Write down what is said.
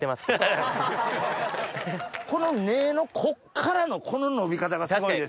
この根のこっからのこの伸び方がすごいですよね。